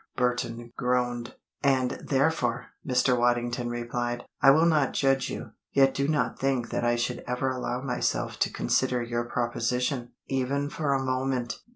Burton groaned. "And therefore," Mr. Waddington replied, "I will not judge you. Yet do not think that I should ever allow myself to consider your proposition, even for a moment.